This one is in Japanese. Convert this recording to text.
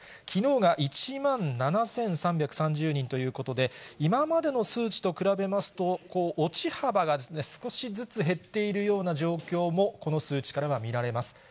きのうが１万７３３１人ということで、今までの数値と比べますと、落ち幅が少しずつ減っているような状況も、この数値からは見られます。